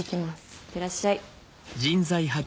いってらっしゃい。